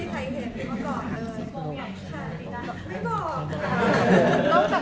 ไม่มีใครเห็นเมื่อก่อนเลย